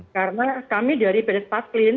karena kami dari bds patklin